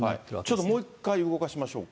ちょっともう一回動かしましょうか。